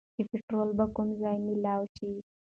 چې پيټرول به کوم ځايې مېلاؤ شي